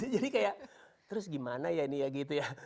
jadi kayak terus gimana ya nih ya gitu ya